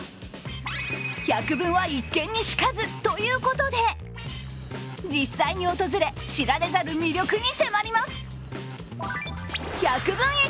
百聞は一見にしかずということで、実際に訪れ、知られざる魅力に迫ります。